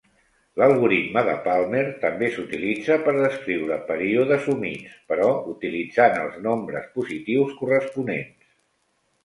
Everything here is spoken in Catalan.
L'Algoritme de Palmer també s'utilitza per descriure períodes humits, però utilitzant els nombres positius corresponents.